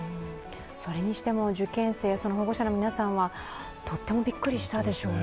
それにしても受験生、その保護者の皆さんは、とってもびっくりしたでしょうね。